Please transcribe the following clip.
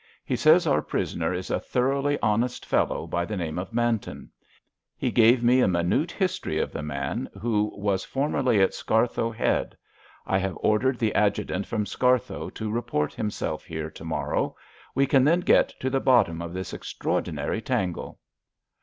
He says our prisoner is a thoroughly honest fellow, by the name of Manton. He gave me a minute history of the man, who was formerly at Scarthoe Head. I have ordered the adjutant from Scarthoe to report himself here to morrow. We can then get to the bottom of this extraordinary tangle."